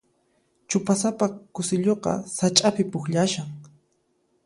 Chupasapa k'usilluqa sach'api pukllashan.